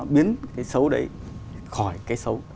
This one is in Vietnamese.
biến cái xấu đấy khỏi cái xấu